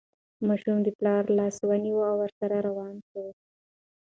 ماشوم د پلار لاس ونیو او ورسره روان شو.